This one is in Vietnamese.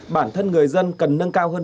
bản thân người dân cần nâng cao hơn